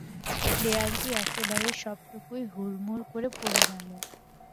দেয়ালটি একেবারে সবটুকুই হুড়মুড় করে পড়ে গেল।